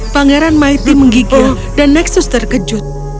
pangeran maiti menggigil dan nexus terkejut